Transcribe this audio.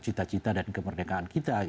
cita cita dan kemerdekaan kita